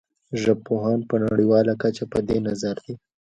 ژبپوهان په نړیواله کچه په دې نظر دي